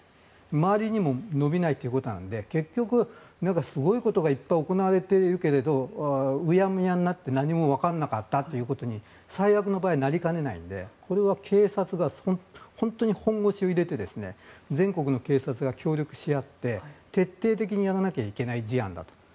周りにも伸びないということなので結局、すごいことがいっぱい行われているけれどうやむやになって何もわからなかったということに最悪の場合なりかねないので警察が本腰を入れて全国の警察が協力し合って徹底的にやらなきゃいけない事案だと。